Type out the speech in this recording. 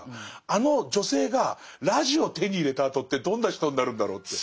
あの女性がラジオを手に入れたあとってどんな人になるんだろうって。